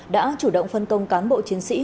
đã chủ động phân công cán bộ chiến sĩ